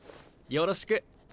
よろしく。